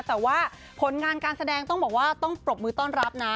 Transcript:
แต่ว่าผลงานการแสดงต้องบอกว่าต้องปรบมือต้อนรับนะ